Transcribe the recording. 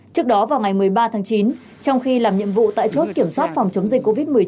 trước đó vào ngày một mươi ba tháng chín trong khi làm nhiệm vụ tại chốt kiểm soát phòng chống dịch covid một mươi chín